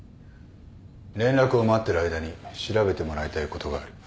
連絡を待ってる間に調べてもらいたいことがある。